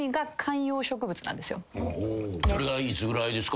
それがいつぐらいですか？